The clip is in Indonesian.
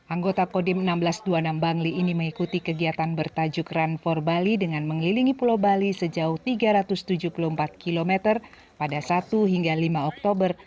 anggota kodim seribu enam ratus dua puluh enam bangli ini mengikuti kegiatan bertajuk run empat bali dengan mengelilingi pulau bali sejauh tiga ratus tujuh puluh empat km pada satu hingga lima oktober